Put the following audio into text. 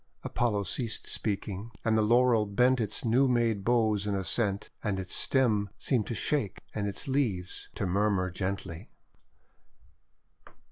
Apollo ceased speaking, and the Laurel bent its new made boughs in assent, and its stem seemed to shake and its leaves to murmur (gently.